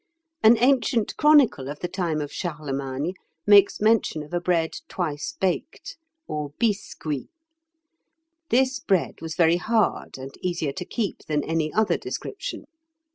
An ancient chronicle of the time of Charlemagne makes mention of a bread twice baked, or biscuit. This bread was very hard, and easier to keep than any other description.